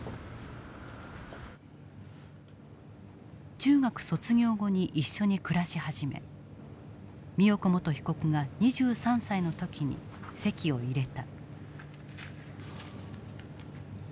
中学卒業後に一緒に暮らし始め美代子元被告が２３歳の時に籍を入れた。